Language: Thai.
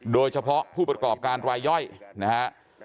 โดยเฉพาะผู้ประกอบการรายย่อยนะฮะ